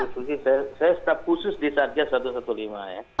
saya staf khusus di satgas satu ratus lima belas ya